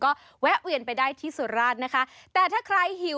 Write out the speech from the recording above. ก็แวะเวียนไปได้ที่สุรราชนะฮะ